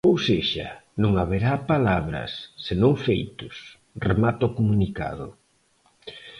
Ou sexa, non haberá palabras, senón feitos, remata o comunicado.